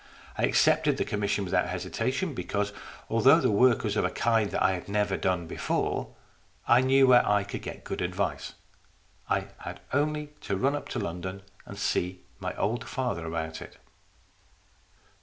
I accepted the commission without hesitation, because, although the work was of a kind that I had never done before, I knew where I could get good advice. I had only to run up to London and see my old father about it.